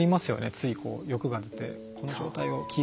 ついこう欲が出てこの状態をキープしたいって。